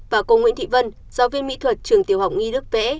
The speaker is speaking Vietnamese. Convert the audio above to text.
và cô nguyễn thị vân giáo viên mỹ thuật trường tiểu học y đức vẽ